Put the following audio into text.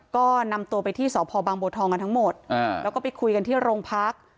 ก็นำตัวไปที่สพบังบัวทองกันทั้งหมดแล้วก็ไปคุยกันที่โรงพัก